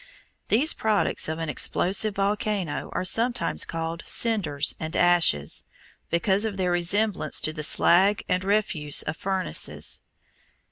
These products of an explosive volcano are sometimes called cinders and ashes, because of their resemblance to the slag and refuse of furnaces.